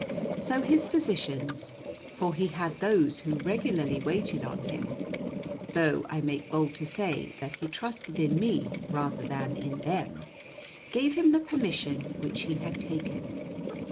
So his physicians, for he had those who regularly waited on him (though I make bold to say that he trusted in me rather than in them), gave him the permission which he had taken.